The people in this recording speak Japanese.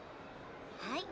はい。